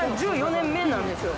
１４年目なんですよ。